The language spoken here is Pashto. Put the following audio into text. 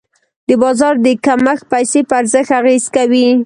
د بازار د کمښت پیسې په ارزښت اغېز کوي.